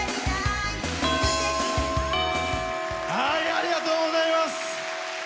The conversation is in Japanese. ありがとうございます。